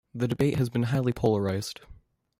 The debate has been highly polarised.